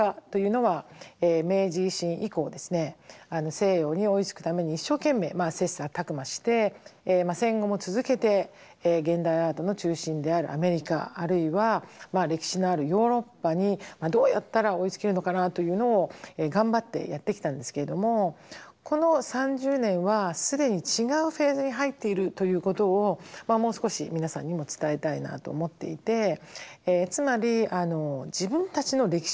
西洋に追いつくために一生懸命切磋琢磨して戦後も続けて現代アートの中心であるアメリカあるいは歴史のあるヨーロッパにどうやったら追いつけるのかなというのを頑張ってやってきたんですけれどもこの３０年は既に違うフェーズに入っているということをもう少し皆さんにも伝えたいなと思っていてつまり自分たちの歴史がどうなのか